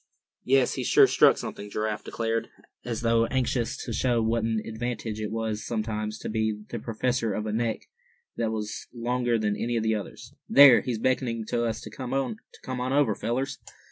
"Yes, he's sure struck something," Giraffe declared, as though anxious to show what an advantage it was sometimes to be the possessor of a neck that was longer than any of the others. "There, he's beckoning to us to come on over, fellers!"